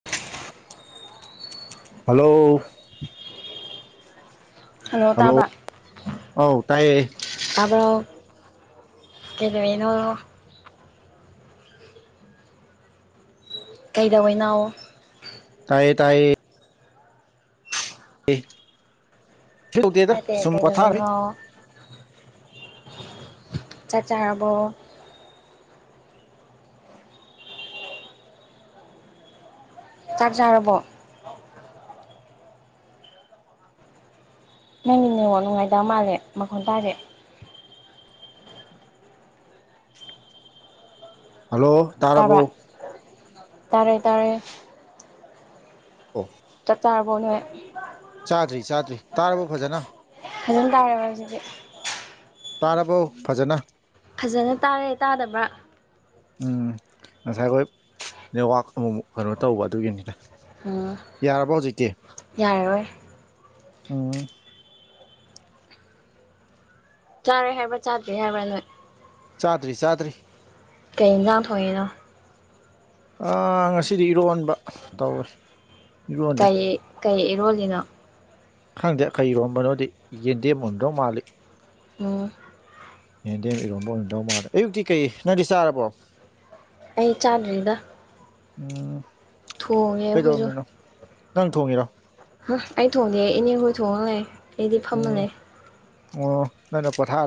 [unintelligible] Hello [unintelligible] hello ꯇꯥꯕ ꯑꯧ ꯇꯥꯏꯌꯦ ꯇꯥꯕ꯭ꯔꯣ ꯀꯩꯗꯧꯏꯅꯣ ꯀꯩꯗꯧꯋꯤꯅꯣ ꯇꯥꯏꯌꯦ ꯇꯥꯏꯌꯦ ꯑꯦ [unintelligible] ꯁꯨ ꯇꯧꯗꯦꯗ ꯅꯠꯇꯦ ꯁꯝ ꯄꯣꯠꯊꯥꯔꯤ ꯀꯩꯗꯧꯔꯤꯅꯣ ꯆꯥꯛ ꯆꯥꯔꯕꯣ ꯆꯥꯛ ꯆꯥꯔꯕꯣ ꯅꯪꯒꯤ ꯅꯦꯋꯥꯛ ꯅꯨꯡꯉꯥꯏꯇꯕ ꯃꯥꯜꯂꯦ ꯃꯈꯣꯟ ꯇꯥꯗꯦ ꯍꯜꯂꯣ ꯇꯥꯔꯕꯣ ꯇꯥꯕꯔ꯭ ꯇꯥꯔꯦ ꯇꯥꯔꯦ ꯑꯣ ꯆꯥꯛ ꯆꯥꯔꯕꯣ ꯅꯣꯏ ꯆꯥꯗ꯭ꯔꯤ ꯆꯥꯗ꯭ꯔꯤ ꯇꯥꯔꯕꯣ ꯐꯖꯅ ꯑꯗꯨꯝ ꯇꯥꯔꯕꯣ ꯖꯤꯛꯗꯤ ꯇꯥꯔꯕꯣ ꯐꯖꯅ ꯐꯖꯅ ꯇꯥꯔꯦ ꯇꯥꯗꯕ꯭ꯔꯥ ꯎꯝ ꯉꯁꯥꯏꯋꯥꯏ ꯅꯦꯠꯋꯥꯛ ꯑꯃꯨꯃꯨꯛ ꯀꯩꯅꯣ ꯇꯧꯕ ꯑꯗꯨꯒꯤꯅꯤꯗ ꯎꯝ ꯌꯥꯔꯕ ꯍꯧꯖꯤꯛꯇꯤ ꯌꯥꯔꯔꯣꯏ ꯎꯝ ꯆꯥꯔꯦ ꯍꯥꯏꯕ꯭ꯔꯥ ꯆꯥꯗꯔ꯭ꯤ ꯍꯥꯏꯕ꯭ꯔꯥ ꯅꯣꯏ ꯆꯥꯗ꯭ꯔꯤ ꯆꯥꯗ꯭ꯔꯤ ꯀꯩ ꯢꯟꯖꯥꯡ ꯊꯣꯡꯉꯤꯅꯣ ꯑꯥ ꯉꯁꯤꯗꯤ ꯏꯔꯣꯟꯕ ꯇꯧꯋꯦ ꯏꯔꯣꯜꯂꯤ ꯀꯔꯤ ꯀꯩ ꯏꯔꯣꯜꯂꯤꯅꯣ ꯈꯪꯗꯦ ꯀꯩ ꯏꯔꯣꯝꯕꯅꯣꯗꯤ ꯌꯦꯟꯗꯦꯝ ꯑꯣꯏꯔꯝꯗꯧ ꯃꯥꯜꯂꯤ ꯎꯝ ꯌꯦꯟꯗꯦꯝ ꯏꯔꯣꯝꯕ ꯑꯣꯏꯔꯝꯗꯧ ꯃꯥꯜꯂꯤ ꯑꯌꯨꯛꯇꯤ ꯀꯩ ꯅꯪꯗꯤ ꯆꯥꯔꯕꯣ ꯑꯩ ꯆꯥꯗꯔ꯭ꯤꯗ ꯎꯝ ꯑꯩꯈꯣꯏꯁꯨ ꯀꯩꯗꯧꯔꯝꯃꯤꯅꯣ ꯅꯪ ꯊꯣꯡꯉꯤꯔꯣ ꯍꯥ ꯑꯩ ꯊꯣꯡꯗꯦ ꯏꯅꯦꯍꯣꯏ ꯊꯣꯡꯉ ꯂꯩ ꯑꯩꯗꯤ ꯐꯝꯃ ꯎꯝ ꯂꯩ ꯑꯣ ꯅꯪꯅ ꯄꯣꯊꯥ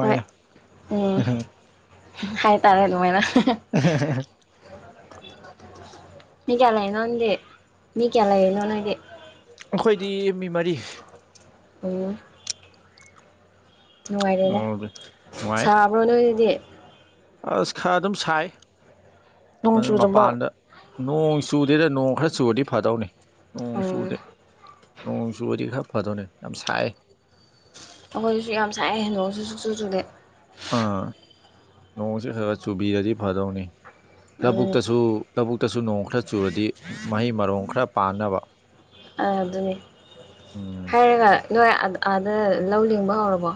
ꯍꯣꯏ ꯎꯝ ꯍꯥꯏꯇꯥꯔꯦ ꯑꯗꯨꯃꯥꯏꯅ [inaudible] ꯃꯤꯀꯌꯥ ꯂꯩꯅꯣ ꯅꯪꯗꯤ ꯃꯤꯀꯌꯥ ꯂꯩꯔꯤꯅꯣ ꯅꯣꯏꯗꯤ ꯑꯈꯣꯏꯗꯤ ꯃꯤ ꯃꯔꯤ ꯎꯝ ꯅꯨꯡꯉꯥꯏꯔꯦꯅꯦ ꯑꯣ ꯅꯨꯡꯉꯥꯏ ꯁꯥꯕ꯭ꯔꯣ ꯅꯣꯏ ꯗꯗꯤ ꯑꯁ ꯈꯔ ꯑꯗꯨꯝ ꯁꯥꯏ ꯅꯣꯡ ꯑꯗꯨ ꯆꯨꯗꯕ ꯃꯄꯥꯟꯗ ꯅꯣꯡ ꯆꯨꯗꯦꯗ ꯅꯣꯡ ꯈꯔ ꯆꯨꯔꯗꯤ ꯐꯥꯗꯧꯅꯦ ꯅꯣꯡ ꯎꯝ ꯆꯨꯗꯦ ꯅꯣꯡ ꯆꯨꯔꯗꯤ ꯈꯔ ꯐꯗꯣꯅꯦ ꯌꯥꯝ ꯁꯥꯏ ꯑꯩꯈꯣꯏꯗꯁꯨ ꯌꯥꯝ ꯁꯥꯏ ꯅꯣꯡꯁꯨ ꯁꯨꯛꯆꯨ ꯆꯨꯗꯦ ꯑꯥ ꯅꯣꯡꯁꯤ ꯈꯔ ꯈꯔ ꯆꯨꯕꯤꯔꯗꯤ ꯐꯗꯧꯅꯤ ꯑꯗꯨꯅꯤ ꯂꯧꯕꯨꯛꯇꯁꯨ ꯂꯧꯕꯨꯛꯇꯁꯨ ꯅꯣꯡ ꯈꯔ ꯆꯨꯔꯗꯤ ꯃꯍꯩ ꯃꯔꯣꯡ ꯈꯔ ꯄꯥꯟꯅꯕ ꯑꯗꯨꯅꯤ ꯎꯝ ꯍꯥꯏꯔꯒ ꯅꯣꯏ ꯑꯗ ꯑꯥꯗ ꯂꯧ ꯂꯤꯡꯕ ꯍꯧꯔꯕꯣ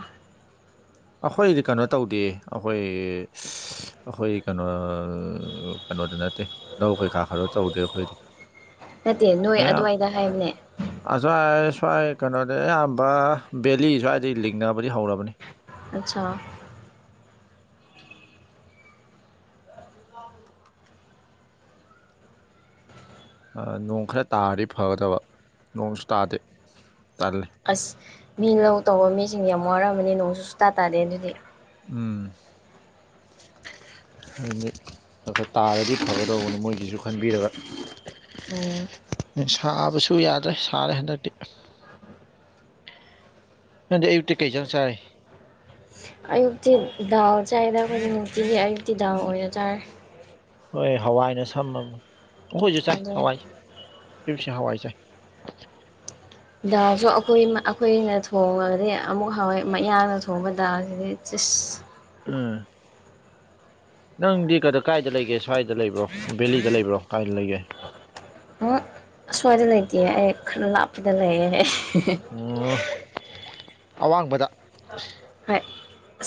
ꯑꯈꯣꯏꯗꯤ ꯀꯩꯅꯣ ꯇꯧꯗꯦ ꯑꯩꯈꯣꯏ ꯑꯈꯣꯏ ꯀꯩꯅꯣ ꯀꯩꯅꯣꯗ ꯅꯠꯇꯦ ꯂꯧ ꯀꯩꯀꯥ ꯀꯩꯅꯣ ꯇꯧꯗꯦ ꯑꯩꯈꯣꯏꯗꯤ ꯅꯠꯇꯦ ꯅꯣꯏ ꯑꯗꯨꯋꯥꯏꯗ ꯍꯥꯏꯕꯅꯦ ꯑꯖꯋ꯭ꯥꯏ ꯁ꯭ꯋꯥꯏ ꯀꯩꯅꯣꯗ ꯑꯌꯥꯝꯕ ꯕꯦꯂꯤ ꯁ꯭ꯋꯥꯏꯗꯒꯤ ꯂꯤꯡꯅꯕꯗꯤ ꯍꯧꯔꯕꯅꯤ ꯑꯠꯁꯥ ꯑꯥ ꯅꯣꯡ ꯈꯔ ꯇꯥꯔꯗꯤ ꯐꯒꯗꯕ ꯅꯣꯡꯁꯨ ꯇꯥꯗꯦ ꯇꯜꯂꯤ ꯑꯁ ꯃꯤ ꯂꯧ ꯇꯧꯕ ꯃꯤꯁꯤꯡ ꯌꯥꯝ ꯋꯥꯔꯝꯃꯅꯤ ꯅꯣꯡꯁꯨ ꯁꯨꯇꯥ ꯇꯥꯗꯦ ꯑꯗꯨꯗꯤ ꯎꯝ [inaudible] [unintelligible] ꯈꯔ ꯈꯔ ꯇꯥꯔꯗꯤ ꯐꯒꯗꯧꯕꯅꯤ ꯃꯣꯏꯒꯤꯖꯨ ꯈꯟꯕꯤꯔꯒ ꯎꯝ ꯁꯥꯕꯁꯨ ꯌꯥꯗ꯭ꯔꯦ ꯁꯥꯔꯦ ꯍꯟꯗꯛꯇꯤ ꯅꯪꯗꯤ ꯑꯌꯨꯛꯇꯤ ꯀꯩ ꯏꯟꯖꯥꯡ ꯆꯥꯏ ꯑꯌꯨꯛꯇꯤ ꯗꯥꯜ ꯆꯥꯏꯗ ꯑꯩꯈꯣꯏꯗꯤ ꯅꯨꯡꯇꯤꯒꯤ ꯑꯌꯨꯛꯇꯤ ꯗꯥꯜ ꯑꯣꯏꯅ ꯆꯥꯔꯦ ꯍꯣꯏ ꯍꯋꯥꯏꯅ ꯁꯝꯃꯝꯅꯤ ꯑꯩꯈꯣꯏꯖꯨ ꯆꯥꯏ ꯑꯗꯨꯅꯦ ꯍꯋꯥꯏ ꯑꯌꯨꯛꯁꯦ ꯍꯋꯥꯏ ꯆꯥꯏ ꯗꯥꯜꯁꯨ ꯑꯩꯈꯣꯏ ꯑꯩꯈꯣꯏꯅ ꯊꯣꯡꯉꯒꯗꯤ ꯑꯃꯨꯛ ꯍꯥꯎꯋꯦ ꯃꯌꯥꯡꯅ ꯊꯣꯡꯕ ꯗꯥꯜꯁꯤꯗꯤ ꯆꯤꯁ ꯎꯝ ꯅꯪꯗꯤ ꯀꯗ ꯀꯥꯏꯗ ꯂꯩꯒꯦ ꯁ꯭ꯋꯥꯏꯗ ꯂꯩꯕ꯭ꯔꯣ ꯕꯦꯂꯤꯗ ꯂꯩꯕ꯭ꯔꯣ ꯀꯥꯏꯗ ꯂꯩꯒꯦ ꯎꯝ ꯑꯁ꯭ꯋꯥꯏꯗ ꯂꯩꯇꯤꯌꯦ ꯑꯩ ꯈꯔ ꯂꯥꯞꯄꯗ ꯂꯩꯌꯦ ꯑꯣ ꯑꯋꯥꯡꯕꯗ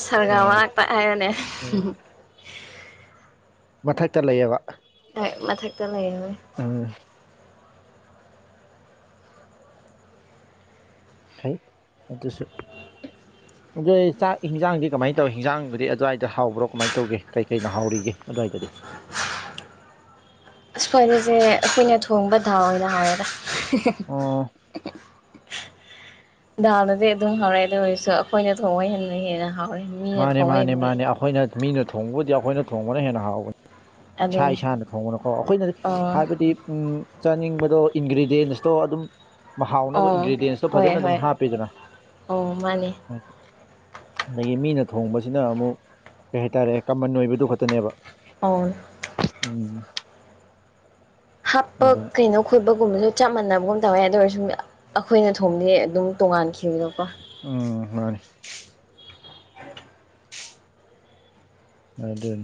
ꯁꯔꯒꯥ ꯑꯥ ꯃꯅꯥꯛꯇ ꯍꯥꯏꯌꯣꯅꯦ ꯃꯊꯛꯇ ꯂꯩꯌꯦꯕ ꯍꯣꯏ ꯃꯊꯛꯇ ꯂꯩꯌꯧꯏ ꯎꯝ ꯐꯩ ꯑꯗꯨꯁꯨ [inaudible] ꯑꯗꯨꯗꯤ ꯆꯥꯛ ꯍꯤꯡꯖꯥꯡꯗꯤ ꯀꯃꯥꯏ ꯇꯧꯋꯤ ꯍꯤꯟꯖꯥꯡꯗꯨꯗꯤ ꯑꯗꯨꯋꯥꯏꯗ ꯍꯥꯎꯕ꯭ꯔꯣ ꯀꯃꯥꯏ ꯇꯧꯒꯦ ꯀꯩ ꯀꯩꯅ ꯍꯥꯎꯔꯤꯒꯦ ꯑꯗ꯭ꯋꯥꯏꯗꯗꯤ ꯑ ꯐꯔꯤꯁꯦ ꯑꯩꯈꯣꯏꯅ ꯊꯣꯡꯕ ꯗꯥꯜꯅ ꯍꯥꯎꯏꯗ ꯑꯣ ꯗꯥꯜꯗꯗꯤ ꯑꯗꯨꯝ ꯍꯥꯎꯔꯦ ꯑꯗꯨ ꯑꯣꯏꯔꯁꯨ ꯑꯩꯈꯣꯏꯅ ꯊꯣꯡꯉꯥ ꯍꯦꯟꯅ ꯍꯦꯟꯅ ꯍꯥꯎ ꯃꯥꯅꯦ ꯃꯥꯅꯦ ꯃꯥꯅꯦ ꯑꯩꯈꯣꯏꯅ ꯃꯤꯅ ꯊꯣꯡꯕꯕꯨꯗꯤ ꯑꯩꯈꯣꯏꯅ ꯊꯣꯡꯕꯅ ꯍꯦꯟꯅ ꯍꯥꯎꯕꯅꯤ ꯏꯁꯥ ꯑꯗꯨꯅꯦ ꯏꯁꯥꯅ ꯊꯣꯡꯕꯅꯀꯣ ꯑꯩꯈꯣꯏꯅ ꯑꯣ ꯍꯥꯏꯕꯗꯤ ꯎꯝ ꯆꯥꯅꯤꯡꯕꯗꯣ ꯏꯟꯒ꯭ꯔꯤꯗꯤꯌꯦꯟꯁꯇꯣ ꯑꯗꯨꯝ ꯃ ꯍꯥꯎꯅꯕ ꯑꯣ ꯏꯟꯒ꯭ꯔꯤꯗꯤꯌꯦꯟꯁꯇꯣ ꯐꯖꯅ ꯍꯣꯏ ꯑꯗꯨꯝ ꯍꯣꯏ ꯍꯥꯞꯄꯤꯗꯅ ꯑꯣ ꯃꯥꯅꯦ ꯎꯝ ꯑꯗꯒꯤ ꯃꯤꯅ ꯊꯣꯡꯕꯁꯤꯅ ꯑꯃꯨꯛ ꯀꯩ ꯍꯥꯏꯇꯥꯔꯦ ꯀꯃꯟ ꯑꯣꯏꯕꯗꯨ ꯈꯛꯇꯅꯦꯕ [unintelligible] ꯎꯝ ꯍꯥꯞꯄ ꯑꯗꯨꯅ ꯀꯩꯅꯣ ꯈꯣꯠꯄꯒꯨꯝꯕꯁꯨ ꯆꯞ ꯃꯥꯟꯅꯕꯒꯨꯝ ꯇꯧꯋꯦ ꯑꯗꯨ ꯑꯣꯏꯔꯁꯨ ꯑꯩꯈꯣꯏꯅ ꯊꯣꯡꯉꯗꯤ ꯑꯗꯨꯝ ꯇꯣꯉꯥꯟꯈꯤꯕꯗꯣꯀꯣ ꯎꯝ ꯃꯥꯅꯤ ꯑꯗꯨꯠ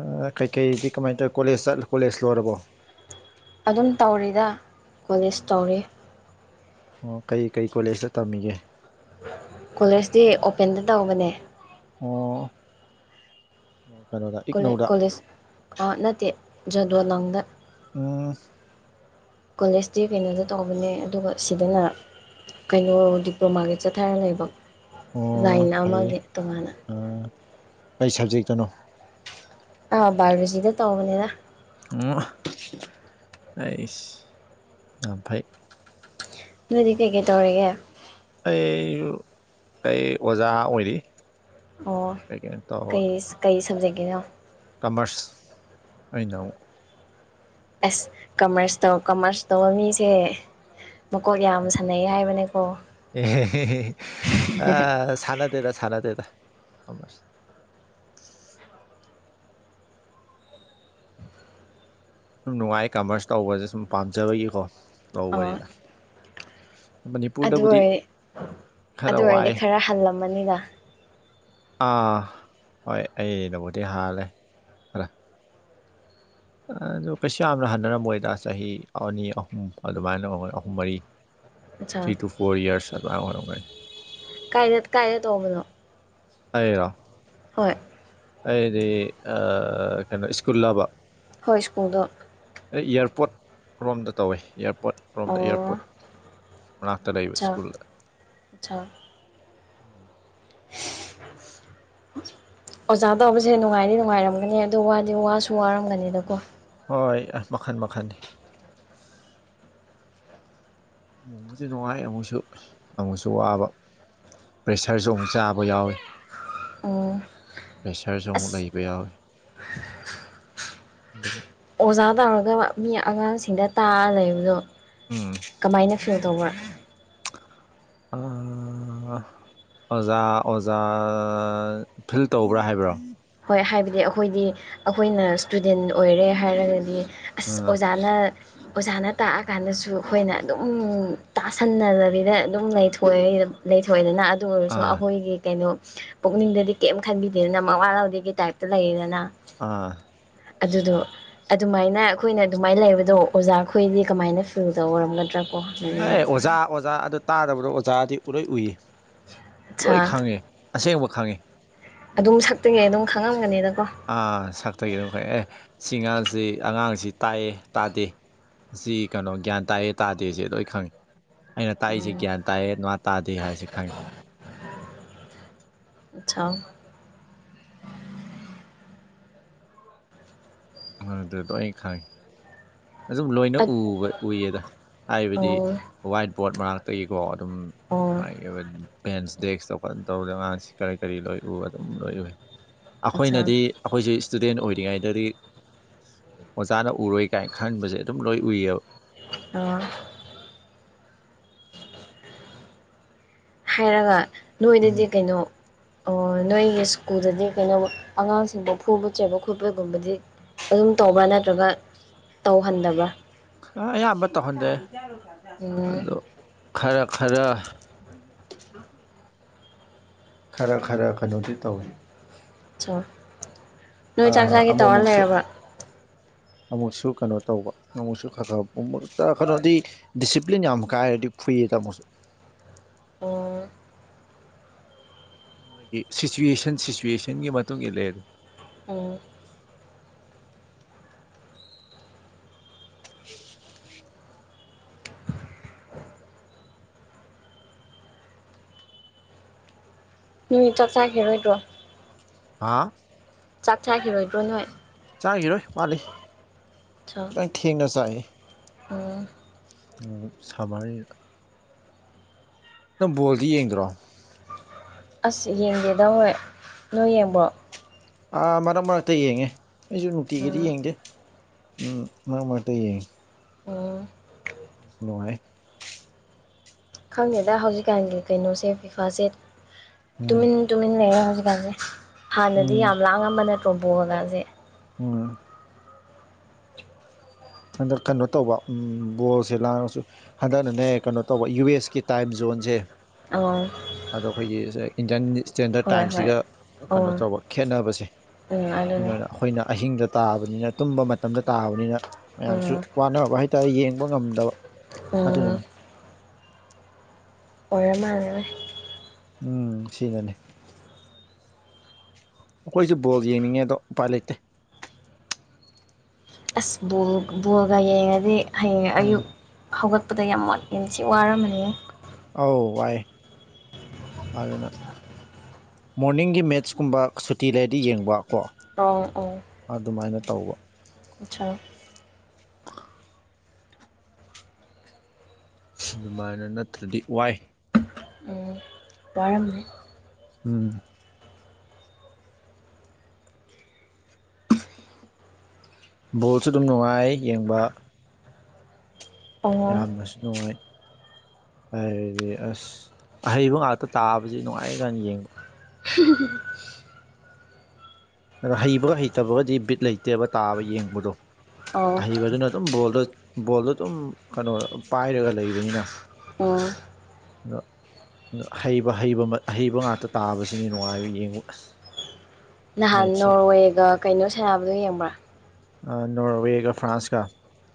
ꯑꯥ ꯀꯩꯀꯩꯗꯤ ꯀꯃꯥꯏ ꯇꯧꯋꯤ ꯀꯣꯂꯦꯖ ꯆꯠ ꯀꯣꯂꯦꯖ ꯂꯣꯏꯔꯕꯣ ꯑꯗꯨꯝ ꯇꯧꯔꯤꯗ ꯀꯣꯂꯦꯖ ꯇꯧꯔꯤ ꯑꯣ ꯀꯩ ꯀꯩ ꯀꯣꯂꯦꯖꯇ ꯇꯝꯃꯤꯒꯦ ꯀꯣꯂꯦꯖꯇꯤ ꯑꯣꯄꯦꯟꯗ ꯇꯧꯕꯅꯦ ꯑꯣ ꯀꯩꯅꯣꯗ ꯀꯣꯂꯦ ꯏꯛꯅꯧꯗ ꯀꯣꯂꯦꯖ ꯑꯥ ꯅꯠꯇꯦ ꯖꯥꯗꯣꯅꯪꯗ [unintelligible] ꯀꯣꯂꯦꯖꯇꯤ ꯀꯩꯅꯣꯗ ꯇꯧꯕꯅꯦ ꯑꯗꯨꯒ ꯁꯤꯗꯅ ꯀꯩꯅꯣ ꯗꯤꯄ꯭ꯂꯣꯃꯥꯒꯤ ꯆꯠꯊꯔꯥ ꯂꯩꯕ ꯂꯥꯏꯟ ꯑꯣ ꯐꯩ ꯑꯃꯒꯤ ꯇꯣꯉꯥꯟꯅ ꯑ ꯀꯩ ꯁꯕꯖꯦꯛꯇꯅꯣ ꯑ ꯕꯥꯌꯣꯂꯣꯖꯤꯗ ꯇꯧꯕꯅꯦꯗ ꯑꯣ ꯑꯩꯁ ꯌꯝ ꯐꯩ ꯅꯣꯏꯗꯤ ꯀꯩꯀꯩ ꯇꯧꯔꯤꯒꯦ ꯑꯩꯖꯨ ꯑꯩ ꯑꯣꯖꯥ ꯑꯣꯏꯔꯤ ꯑꯣ ꯀꯩ ꯀꯩꯅꯣ ꯇꯧꯔꯒ ꯀꯩꯁ ꯀꯩ ꯁꯕꯖꯦꯛꯀꯤꯅꯣ ꯀꯃꯔꯁ ꯑꯩꯅꯃꯨꯛ ꯑꯁ ꯀꯃꯔꯁ ꯇꯧ ꯀꯃꯔꯁ ꯇꯧꯕ ꯃꯤꯁꯦ ꯃꯀꯣꯛ ꯌꯥꯝ ꯁꯥꯟꯅꯩ ꯍꯥꯏꯕꯅꯦꯀꯣ ꯑ ꯁꯥꯅꯠ ꯇꯦꯗ ꯁꯥꯅꯗꯦꯗ ꯀꯃꯔꯁ ꯎꯝ ꯅꯨꯡꯉꯥꯏꯌꯦ ꯀꯃꯔꯁ ꯇꯧꯕꯖꯦ ꯁꯨꯝ ꯄꯥꯝꯖꯕꯒꯤꯀꯣ ꯇꯧꯕꯅꯤ ꯑꯥ ꯑꯗꯨ ꯑꯣꯏ ꯈꯔ ꯑꯗꯨ ꯑꯣꯏꯔꯗꯤ ꯋꯥꯏ ꯈꯔ ꯍꯜꯂꯝꯃꯅꯤꯅ ꯑꯥ ꯍꯣꯏ ꯑꯩꯅꯕꯨꯗꯤ ꯍꯥꯜꯂꯦ ꯑ ꯑꯗꯨ ꯀꯩꯁꯨ ꯌꯥꯝꯅ ꯍꯟꯅꯔꯝꯃꯣꯏꯗ ꯆꯍꯤ ꯑꯅꯤ ꯑꯍꯨꯝ ꯑꯗꯨꯃꯥꯏꯅ ꯑꯣꯏꯔꯝꯒꯅꯤ ꯑꯍꯨꯝ ꯃꯔꯤ [inaudible] ꯊ꯭ꯔꯤ ꯇꯨ ꯐꯣꯔ ꯏꯌꯔꯁ ꯑꯗꯨꯃꯥꯏ ꯑꯣꯏꯔꯝꯒꯅꯤ ꯀꯥꯏꯗ ꯀꯥꯏꯗ ꯇꯣꯡꯕꯅꯣ ꯑꯩꯔꯣ ꯍꯣꯏ ꯑꯩꯗꯤ ꯑ ꯀꯩꯅꯣ ꯁ꯭ꯀꯨꯜ ꯂꯥꯕ ꯍꯣꯏ ꯁ꯭ꯀꯨꯜꯗꯣ ꯑꯩ ꯏꯌꯥꯔꯄꯣꯠ ꯔꯣꯝꯗ ꯇꯧꯋꯦ ꯏꯌꯥꯔꯄꯣꯠ ꯔꯣꯝꯗ ꯑꯣ ꯏꯌꯥꯔꯄꯣꯔꯠ ꯃꯅꯥꯛꯇ ꯂꯩꯕ ꯁ꯭ꯀꯨꯜꯗ ꯑꯁꯥ [unintelligible] ꯑꯣꯖꯥ ꯇꯧꯕꯁꯤ ꯅꯨꯡꯉꯥꯏꯗꯤ ꯅꯨꯡꯉꯥꯏꯔꯝꯒꯅꯤ ꯑꯗꯨ ꯋꯥꯗꯤ ꯋꯥꯁꯨ ꯋꯥꯔꯝꯒꯅꯤꯗꯀꯣ ꯍꯣꯏ ꯑ ꯃꯈꯟ ꯃꯈꯟꯅꯤ ꯑꯃꯨꯛꯁꯨ ꯅꯨꯡꯉꯥꯏ ꯑꯃꯨꯛꯁꯨ ꯑꯃꯨꯛꯁꯨ ꯋꯥꯕ ꯄ꯭ꯔꯦꯁꯔꯁꯨ ꯑꯃꯨꯛ ꯆꯥꯕ ꯌꯥꯎꯋꯤ ꯑꯣ ꯄ꯭ꯔꯦꯁꯔꯁꯖꯨ ꯑꯃꯨꯛ ꯂꯩꯕ ꯌꯥꯎꯋꯤ ꯑꯣꯖꯥ ꯇꯧꯔꯒ ꯃꯤ ꯑꯉꯥꯡꯁꯤꯡꯗ ꯇꯥꯛꯑ ꯂꯩꯕꯗꯣ ꯎꯝ ꯀꯃꯥꯏꯅ ꯐꯤꯜ ꯇꯧꯕ꯭ꯔꯥ ꯑꯥ ꯑꯣꯖꯥ ꯑꯣꯖꯥ ꯐꯤꯜ ꯇꯧꯕ꯭ꯔꯥ ꯍꯥꯏꯕ꯭ꯔꯣ ꯍꯣꯏ ꯍꯥꯏꯕꯗꯤ ꯑꯈꯣꯏꯗꯤ ꯑꯈꯣꯏꯅ ꯏꯁꯇꯨꯗꯦꯟ ꯑꯣꯏꯔꯦ ꯍꯥꯏꯔꯒꯗꯤ ꯑꯁ ꯑꯥ ꯑꯣꯖꯥꯅ ꯑꯣꯖꯥꯅ ꯇꯥꯛꯑꯀꯥꯟꯗꯁꯨ ꯑꯈꯣꯏꯅ ꯑꯗꯨꯝ ꯇꯥꯁꯟꯅꯗꯕꯤꯗ ꯑꯗꯨꯝ ꯂꯩꯊꯣꯛꯑꯦ ꯂꯩꯊꯣꯛꯑꯦꯗꯅ ꯑꯗꯨ ꯑꯣꯏꯔꯁꯨ ꯑꯥ ꯑꯈꯣꯏꯒꯤ ꯀꯩꯅꯣ ꯄꯨꯛꯅꯤꯡꯗꯗꯤ ꯀꯦꯝ ꯈꯟꯕꯤꯗꯦꯗꯅ ꯃꯋꯥ ꯂꯧ ꯗꯦꯒꯤ ꯇꯥꯏꯞꯇ ꯂꯩꯌꯦꯗꯅ ꯑꯥ ꯑꯗꯨꯗꯣ ꯑꯗꯨꯃꯥꯏꯅ ꯑꯈꯣꯏꯅ ꯗꯨꯃꯥꯏꯅ ꯂꯩꯕꯗꯣ ꯑꯣꯖꯥ ꯈꯣꯏꯗꯤ ꯀꯃꯥꯏꯅ ꯐꯤꯜ ꯇꯧꯔꯝꯒꯗ꯭ꯔꯥ ꯑꯥꯏ ꯑꯣꯖꯥ ꯑꯣꯖꯥ ꯑꯗꯨ ꯇꯥꯗꯕꯗꯣ ꯑꯣꯖꯥꯗꯤ ꯂꯣꯏ ꯎꯏꯌꯦ ꯑꯠꯁꯥ ꯂꯣꯏ ꯈꯪꯉꯦ ꯑꯁꯦꯡꯕ ꯈꯪꯉꯦ ꯑꯗꯨꯝ ꯁꯛꯇꯒꯤ ꯑꯗꯨꯝ ꯈꯪꯉꯝꯒꯅꯤꯗꯀꯣ ꯑꯥ ꯁꯛꯇꯒꯤ ꯑꯗꯨꯝ ꯈꯪꯑꯦ ꯑꯦ ꯁꯤ ꯑꯉꯥꯡꯁꯤ ꯑꯉꯥꯡꯁꯤ ꯇꯥꯏꯌꯦ ꯇꯥꯗꯦ ꯁꯤ ꯀꯩꯅꯣ ꯒ꯭ꯌꯥꯟ ꯇꯥꯑꯦ ꯇꯥꯗꯦꯁꯦ ꯂꯣꯏ ꯈꯪꯉꯤ ꯑꯩꯅ ꯇꯥꯛꯏꯁꯦ ꯎꯝ ꯒ꯭ꯌꯥꯟ ꯇꯥꯏꯑꯌꯦ ꯃꯥ ꯇꯥꯗꯦ ꯍꯥꯏꯕꯁꯤ ꯈꯪꯉꯤ ꯥ [unintelligible] ꯑꯗꯨ ꯂꯣꯏ ꯈꯪꯉꯦ ꯑꯗꯨꯝ ꯂꯣꯏꯅ ꯑꯠ ꯎꯕ ꯎꯏꯌꯦꯗ ꯍꯥꯏꯕꯗꯤ ꯑꯣ ꯋꯥꯏꯠ ꯕꯣꯔꯗ ꯃꯅꯥꯛ ꯇꯒꯤꯀꯣ ꯑꯗꯨꯝ ꯑꯣ ꯃꯥꯒꯤ ꯕꯦꯟꯁ ꯗꯦꯛꯁ ꯇ ꯐꯖ ꯇꯧꯔꯦ ꯑꯉꯥꯡꯁꯤ ꯀꯔꯤ ꯀꯔꯤ ꯂꯣꯏ ꯎ ꯑꯗꯨꯝ ꯂꯣꯏ ꯎꯏ ꯑꯠꯁꯥ ꯑꯩꯈꯣꯏꯅꯗꯤ ꯑꯩꯈꯣꯏꯁꯦ ꯏꯁꯇꯨꯗꯦꯟ ꯑꯣꯏꯔꯤꯉꯩꯗꯗꯤ ꯑꯣꯖꯥꯅ ꯎꯔꯣꯏ ꯀꯥꯏꯅ ꯈꯟꯕꯁꯦ ꯑꯗꯨꯝ ꯂꯣꯏ ꯎꯏꯑꯦꯕ [unintelligible] ꯍꯥꯏꯔꯒ ꯅꯣꯏꯗꯗꯤ ꯀꯩꯅꯣ ꯅꯣꯏꯒꯤ ꯁ꯭ꯀꯨꯜꯗꯗꯤ ꯀꯩꯅꯣ ꯑꯉꯥꯡꯁꯤꯡꯗ ꯐꯨꯕ ꯆꯩꯕ ꯈꯣꯠꯄꯒꯨꯝꯕꯗꯤ ꯑꯗꯨꯝ ꯇꯧꯕ꯭ꯔꯥ ꯅꯠꯇ꯭ꯔꯒ ꯇꯧꯍꯟꯗꯕ꯭ꯔꯥ ꯑꯌꯥꯝꯕ ꯇꯧꯍꯟꯗꯦ ꯎꯝ ꯑꯗꯣ ꯈꯔ ꯈꯔ ꯈꯔ ꯈꯔ ꯀꯩꯅꯣꯗꯤ ꯇꯧꯏ ꯅꯣꯏ ꯆꯥꯛ ꯆꯥꯒꯦ ꯇꯧꯔ ꯑꯃꯨꯛꯃꯨꯛꯁꯨ ꯂꯩꯔꯕꯔ ꯑꯃꯨꯛꯁꯨ ꯀꯩꯅꯣ ꯇꯧꯕ ꯑꯃꯨꯛꯁꯨ ꯈ [unintelligible] ꯀꯩꯅꯣꯗꯤ ꯗꯤꯁꯤꯄ꯭ꯂꯤꯟ ꯌꯥꯝ ꯀꯥꯏꯔꯗꯤ ꯐꯨꯏꯌꯦꯗ ꯑꯃꯨꯛꯁꯨ ꯎ [unintelligible] ꯁꯤꯆꯨꯋꯦꯁꯟ ꯁꯤꯆꯨꯋꯦꯁꯟꯒꯤ ꯃꯇꯨꯡ ꯏꯜꯂꯦ ꯑꯗꯨꯝ ꯎꯝ [inaudible] ꯅꯣꯏ ꯆꯥꯛ ꯆꯥꯈꯤꯔꯣꯏꯗ꯭ꯔꯣ ꯍꯥꯥ ꯆꯥꯛ ꯆꯥꯈꯤꯔꯣꯏꯗ꯭ꯔꯣ ꯅꯣꯏ ꯆꯥꯈꯤꯔꯣꯏ ꯋꯥꯠꯂꯤ ꯈꯤꯇꯪ ꯊꯦꯡꯅ ꯆꯥꯏꯌꯦ ꯎ ꯎ [unintelligible] ꯅꯪ ꯕꯣꯜꯗꯤ ꯌꯦꯡꯗ꯭ꯔꯣ ꯑꯁ ꯌꯦꯡꯗꯦꯗ ꯍꯣꯏ ꯅꯣꯏ ꯌꯦꯡꯕ꯭ꯔꯣ ꯑꯥ ꯃꯔꯛ ꯃꯔꯛꯇ ꯌꯦꯡꯉꯦ ꯑꯩꯁꯨ ꯅꯨꯡꯇꯤꯒꯤꯗꯤ ꯎꯝ ꯌꯦꯡꯗꯦ ꯎꯝ ꯃꯔꯛ ꯃꯔꯛꯇ ꯌꯦꯡꯉꯦ ꯑꯥ ꯅꯨꯡꯉꯥꯏ ꯈꯪꯗꯦꯗ ꯍꯧꯖꯤꯛꯀꯥꯟꯒꯤ ꯀꯩꯅꯣꯁꯦ [unintelligible] ꯈꯥꯁꯦ ꯎꯝ ꯇꯨꯃꯤꯟ ꯇꯨꯃꯤꯟ ꯂꯩꯔꯦ ꯍꯧꯖꯤꯛꯀꯥꯟꯁꯦ ꯍꯥꯟꯅꯗꯤ ꯎꯝ ꯌꯥꯝ ꯂꯥꯡꯉꯝꯕ [unintelligible] ꯕꯣꯜꯒꯁꯦ ꯎꯍ ꯍꯟꯗꯛ ꯀꯩꯅꯣ ꯇꯧꯕ ꯎꯝ ꯕꯣꯜꯁꯦ ꯂꯥꯡꯉꯁꯨ ꯍꯟꯗꯛꯅꯅꯦ ꯀꯩꯅꯣ ꯇꯧꯕ ꯌꯨ ꯑꯦꯁ ꯀꯤ ꯇꯥꯏꯝ ꯖꯣꯟꯁꯦ ꯑꯥ ꯑꯗꯣ ꯑꯩꯈꯣꯏꯒꯤ ꯁꯦ ꯏꯟꯗꯤꯌꯟ ꯏꯁꯇꯦꯟꯗꯔꯠ ꯍꯣꯏ ꯍꯣꯏ ꯇꯥꯏꯝꯁꯤꯒ ꯑꯣ ꯀꯩꯅꯣ ꯎꯝ ꯇꯧꯕ ꯈꯦꯠꯅꯕꯁꯦ ꯑꯗꯨꯅ ꯑꯗꯨꯅꯦ ꯑꯩꯈꯣꯏꯅ ꯑꯍꯤꯡꯗ ꯇꯥꯕꯅꯤꯅ ꯇꯨꯝꯕ ꯃꯇꯝꯗ ꯇꯥꯕꯅꯤꯅ ꯃꯌꯥꯝꯁꯨ ꯎꯝ ꯋꯥꯅꯕ ꯍꯥꯏꯇꯥꯔꯦ ꯌꯦꯡꯕ ꯉꯝꯗꯕ ꯎꯝ ꯑꯗꯨꯅꯅꯤ ꯑꯣꯏꯔꯥ ꯃꯥꯜꯂꯦꯅꯦ ꯎꯝ ꯁꯤꯅꯅꯤ ꯑꯩꯈꯣꯏꯁꯨ ꯕꯣꯜ ꯌꯦꯡꯅꯤꯡꯉꯦ ꯑꯗꯣ ꯎꯄꯥꯏ ꯂꯩꯇꯦ꯫ ꯑꯁ ꯕꫭꯜ ꯕꯣꯜꯒ ꯌꯦꯡꯉꯗꯤ ꯍꯌꯦꯡ ꯎꯝ ꯑꯌꯨꯛ ꯍꯧꯒꯠꯄꯗ ꯌꯥꯝ ꯃꯣꯠ ꯌꯥꯝ ꯊꯤ ꯋꯥꯔꯝꯃꯦꯍꯦ ꯑꯥꯎ ꯋꯥꯏ ꯑꯗꯨꯅ ꯃꯣꯔꯅꯤꯡꯒꯤ ꯃꯦꯠꯁꯀꯨꯝꯕ ꯁꯨꯇꯤ ꯂꯩꯔꯗꯤ ꯌꯦꯡꯕꯀꯣ ꯇꯧ ꯑꯣ ꯑꯗꯨꯃꯥꯏꯅ ꯇꯧꯕ ꯑꯠꯁꯥ ꯑꯗꯨꯃꯥꯏꯅ ꯅꯠꯇ꯭ꯔꯗꯤ ꯋꯥꯏ ꯎꯝ ꯋꯥꯔꯝꯅꯤ ꯎꯝ꯫ ꯕꯣꯜꯁꯨ ꯑꯗꯨꯝ ꯅꯨꯡꯉꯥꯏ ꯌꯦꯡꯕ ꯑꯣ ꯌꯥꯝꯅꯁꯨ ꯅꯨꯡꯉꯥꯏ ꯍꯥꯏꯔꯗꯤ ꯑꯁ ꯑꯍꯩꯕ ꯉꯥꯛꯇ ꯇꯥꯕꯁꯤ ꯅꯨꯡꯉꯥꯏꯖꯥꯠꯅꯤ ꯌꯦꯡꯕ [inaudible] ꯑꯗ ꯍꯩꯕꯒ ꯍꯩꯇꯕꯒꯗꯤ ꯕꯤꯠ ꯂꯩꯇꯦꯕ ꯇꯥꯕ ꯌꯦꯡꯕꯗꯣ ꯑꯣ ꯑꯍꯩꯕꯗꯨꯅ ꯑꯗꯨꯝ ꯕꯣꯜꯗꯣ ꯕꯣꯜꯗꯣ ꯑꯗꯨꯝ ꯀꯅꯣ ꯄꯥꯏꯔꯒ ꯂꯩꯕꯅꯤꯅ ꯑꯣ ꯑꯗꫭ ꯑꯗꫭ ꯍꯩꯕ ꯍꯩꯕ ꯃꯠ ꯑꯍꯩꯕ ꯉꯥꯛꯇ ꯇꯥꯕꯁꯤꯅꯤ ꯅꯨꯡꯉꯥꯏꯔꯤ ꯌꯦꯡꯕ ꯑꯁ ꯅꯍꯥꯟ ꯅꯣꯔꯋꯦꯒ ꯀꯩꯅꯣ ꯁꯥꯟꯅꯕꯗꯣ ꯌꯦꯡꯕ꯭ꯔꯥ ꯑ ꯅꯣꯔꯋꯦꯒ ꯐ꯭ꯔꯥꯟꯁꯀꯥ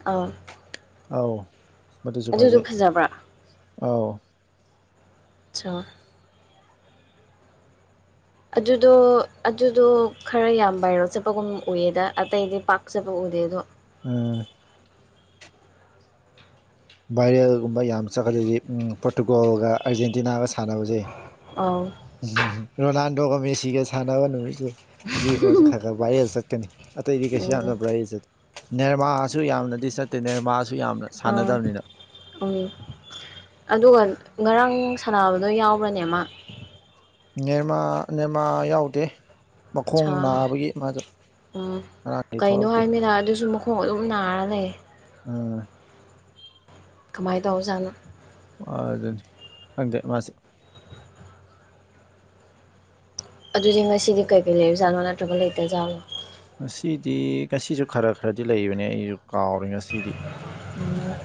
ꯑꯥꯎ ꯑꯥꯎ ꯃꯗꯨꯁꯨꯨ ꯑꯗꯨꯗꯣ ꯐꯖꯩ ꯐꯖꯕ꯭ꯔꯥ ꯑꯥꯎ ꯁꯥ ꯑꯗꯨꯗꯣ ꯑꯗꯨꯗꯣ ꯈꯔ ꯌꯥꯝ ꯕꯥꯏꯔꯦꯜ ꯆꯠꯄꯒꯨꯝ ꯎꯏꯑꯗ ꯑꯇꯩꯗꯤ ꯄꯥꯛꯆꯠꯄ ꯎꯗꯦ ꯑꯗꯣ ꯑꯥ ꯚꯥꯏꯔꯦꯜꯒꯨꯝꯕ ꯌꯥꯝ ꯆꯠꯀꯜꯂꯤꯁꯦ ꯎꯝ ꯄꯣꯔꯇꯨꯒꯣꯜꯒ ꯑꯥꯔꯖꯦꯟꯇꯤꯅꯥꯒ ꯁꯥꯟꯅꯕꯁꯦ ꯑꯥꯎ ꯎꯝ ꯔꯣꯅꯥꯜꯗꯣꯒ ꯃꯦꯁꯤꯒ ꯁꯥꯟꯅꯕ ꯅꯨꯃꯤꯠꯁꯦ ꯑꯁꯤꯒꯨꯝꯕꯁꯨ ꯈꯔ ꯈꯔ ꯚꯥꯏꯔꯦꯜ ꯆꯠꯀꯅꯤ ꯑꯇꯩꯗꯤ ꯀꯩꯁꯨ ꯌꯥꯝꯅ ꯎꯝ ꯚꯥꯏꯔꯦꯜ ꯆꯠ ꯅꯦꯏꯃꯥꯁꯨ ꯌꯥꯝꯅꯗꯤ ꯆꯠꯇꯦ ꯅꯦꯏꯃꯥꯁꯨ ꯌꯥꯝꯅ ꯑꯥ ꯁꯥꯟꯅꯗꯕꯅꯤꯅ [inaudible] ꯎꯝ ꯑꯗꯨꯒ ꯉꯔꯥꯡ ꯁꯥꯟꯅꯕꯗꯣ ꯌꯥꯎꯕ꯭ꯔꯥꯅꯦ ꯃꯥ ꯅꯦꯏꯃꯥ ꯅꯦꯏꯃꯥ ꯌꯥꯎꯗꯦ ꯃꯈꯣꯡ ꯁꯥ ꯅꯥꯕꯒꯤ ꯃꯥꯁꯨ ꯎꯝ ꯉꯔꯥꯡ ꯀꯩꯅꯣ ꯍꯥꯏꯅꯤꯗꯥ ꯑꯗꯨꯁꯨ ꯃꯈꯣꯡ ꯑꯗꯨꯝ ꯅꯔꯥ ꯂꯩ꯫ ꯑꯥ ꯀꯃꯥꯏ ꯇꯧ ꯖꯥꯠꯅꯣ ꯑꯗꯨꯅꯤ ꯈꯪꯗꯦ ꯃꯥꯁꯦ ꯑꯗꯨꯗꯤ ꯉꯁꯤꯗꯤ ꯀꯩꯀꯩ ꯂꯩꯕꯖꯥꯠꯅꯣ ꯅꯠꯇ꯭ꯔꯒ ꯂꯩꯇꯖꯥꯠꯂꯣ ꯉꯁꯤꯗꯤ ꯉꯁꯤꯁꯨ ꯈꯔ ꯈꯔꯗꯤ ꯂꯩꯕꯅꯦ ꯑꯩꯁꯨ ꯀꯥꯎꯔꯦ ꯉꯁꯤꯗꯤ ꯎꯝ ꯉꫭ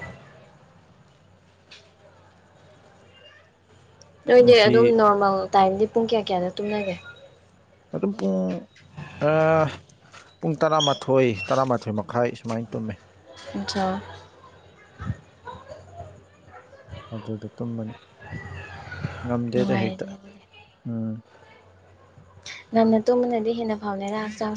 ꯅꯣꯏꯗꯤ ꯉꯁꯤ ꯑꯗꯨꯝ ꯅꯣꯔꯃꯦꯜ ꯇꯥꯏꯝꯗꯤ ꯄꯨꯡ ꯀꯌꯥ ꯀꯌꯥꯗ ꯇꯨꯝꯅꯒꯦ ꯑꯗꯨꯝ ꯄꯨꯡ ꯑꯥ ꯄꯨꯡ ꯇꯔꯥꯃꯥꯊꯣꯏ ꯇꯔꯥꯃꯥꯊꯣꯏ ꯃꯈꯥꯏ ꯁꯨꯃꯥꯏꯅ ꯇꯨꯝꯃꯦ [unintelligible] ꯑꯗꯨꯗ ꯇꯨꯝꯕꯅꯤ ꯉꯝꯗꯦꯗ ꯍꯦꯛꯇ ꯅꯨꯡꯉꯥꯏꯔꯦꯅꯦ ꯑꯗꯨꯗꯤ ꯎꯝ ꯉꯟꯅ ꯇꯨꯝꯕꯅꯗꯤ ꯍꯦꯟꯅ ꯐꯕꯅꯦꯗ ꯍꯛꯆꯥꯡ